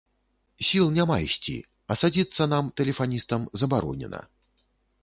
Сіл няма ісці, а садзіцца нам, тэлефаністам, забаронена.